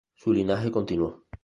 Su linaje continuó.